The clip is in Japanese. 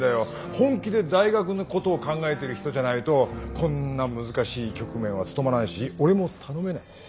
本気で大学のことを考えてる人じゃないとこんな難しい局面は務まらないし俺も頼めない。